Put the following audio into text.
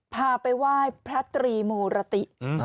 พาไปไหว้พระตรีมูรติ